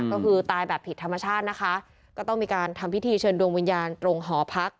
ก็คือตายแบบผิดธรรมชาตินะคะก็ต้องมีการทำพิธีเชิญดวงวิญญาณตรงหอพัก